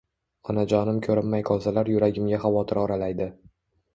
Onajonim ko‘rinmay qolsalar yuragimga xavotir oralaydi